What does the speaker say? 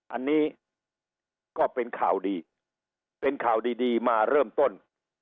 อันนี้ก็เป็นข่าวดีเป็นข่าวดีมาเริ่มต้น